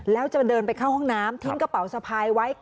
แล้วจะเดินไปเข้าห้องน้ำทิ้งกระเป๋าสะพายไว้